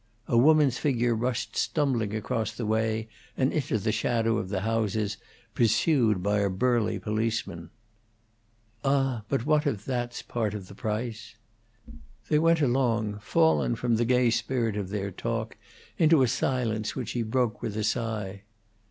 A woman's figure rushed stumbling across the way and into the shadow of the houses, pursued by a burly policeman. "Ah, but if that's part of the price?" They went along fallen from the gay spirit of their talk into a silence which he broke with a sigh.